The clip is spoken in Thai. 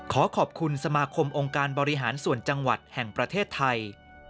ขอขอบคุณสมาคมองค์การบริหารส่วนจังหวัดแห่งประเทศไทย